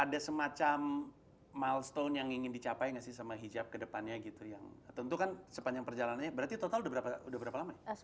ada semacam milestone yang ingin dicapai nggak sih sama hijab kedepannya gitu yang tentu kan sepanjang perjalanannya berarti total udah berapa lama ya